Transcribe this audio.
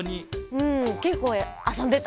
うんけっこうあそんでた。